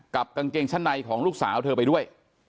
กางเกงชั้นในของลูกสาวเธอไปด้วย